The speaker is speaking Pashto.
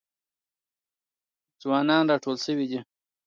ځوانان راټول سوي دي.